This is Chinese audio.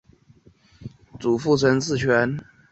鹿八日虎爪等鹿皮手抄本上。